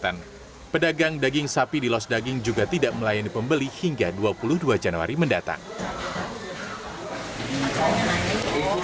kesehatan pedagang daging sapi di los daging juga tidak melayani pembeli hingga dua puluh dua januari mendatang